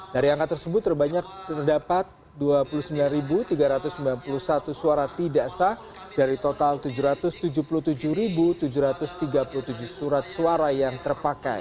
dari angka tersebut terbanyak terdapat dua puluh sembilan tiga ratus sembilan puluh satu suara tidak sah dari total tujuh ratus tujuh puluh tujuh tujuh ratus tiga puluh tujuh surat suara yang terpakai